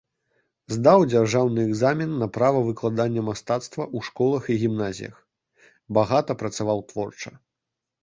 Здаў дзяржаўны экзамен на права выкладання мастацтва ў школах і гімназіях, багата працаваў творча.